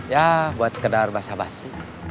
ya buat sekedar basah basi